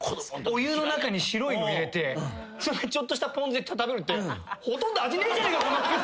お湯の中に白いの入れてちょっとしたポン酢で食べるってほとんど味ねえじゃねえか。